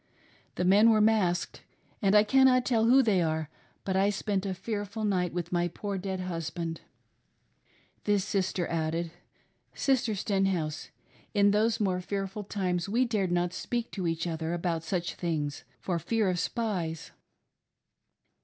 The men were masked,, and I cannot tell who they are, but I spent a fearful night with my poor dead husband.' " This sister added :" Sister Stenhouse, in those more fearful times we dared not speak to each other about such things for fear of spies."